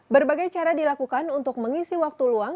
berbagai cara dilakukan untuk mengisi waktu luang